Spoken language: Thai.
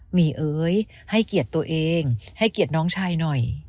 หมีเอ๋ยให้เกียรติตัวเองให้เกียรติน้องชายหน่อย